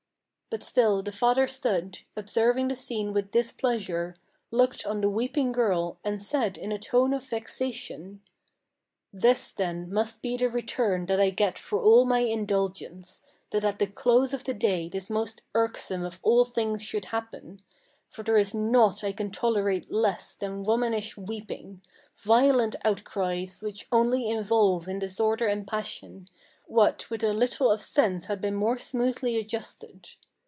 But still the father stood, observing the scene with displeasure, Looked on the weeping girl, and said in a tone of vexation: "This then must be the return that I get for all my indulgence, That at the close of the day this most irksome of all things should happen! For there is naught I can tolerate less than womanish weeping, Violent outcries, which only involve in disorder and passion, What with a little of sense had been more smoothly adjusted.